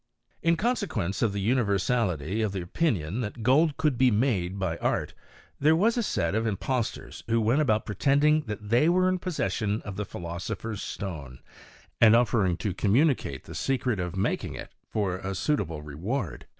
* In consequence of the universality of the opinion that gold could be made by art, there was a set of impostors who went about pretending that they were in possession of the philosopher's stone, and offering to communicate the secret of making it for a suit able reward.